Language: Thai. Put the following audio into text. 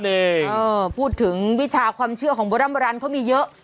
พูดถึงวิชาความเชื่อของโบรัมโบราณเขามีเยอะ